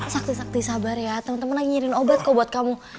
sakti sakti sabar ya temen temen lagi ngirim obat kok buat kamu